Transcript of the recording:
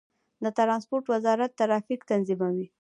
د ترانسپورت وزارت ټرافیک تنظیموي